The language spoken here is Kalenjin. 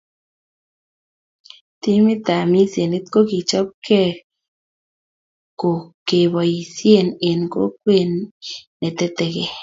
Timit ab misienit kokichopke ko kepoisie eng kokwet ne tetekei